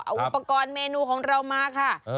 เอาอุปกรณ์เมนูของเรามาค่ะ